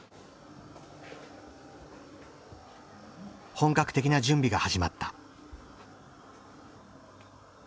本格的な準備が始まった。